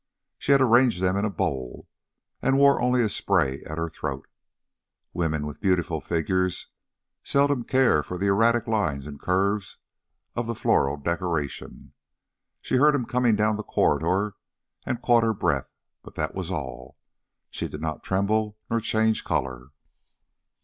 She had arranged them in a bowl, and wore only a spray at her throat. Women with beautiful figures seldom care for the erratic lines and curves of the floral decoration. She heard him coming down the corridor and caught her breath, but that was all. She did not tremble nor change colour.